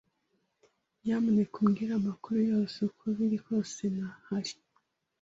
Nyamuneka umbwire amakuru yose uko biri kose ntahari.